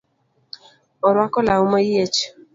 Orwako law moyiech